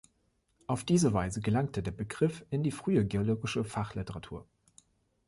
Auf diese Weise gelangte der Begriff in die frühe geologische Fachliteratur.